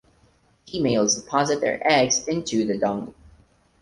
Females deposit their eggs into the dung.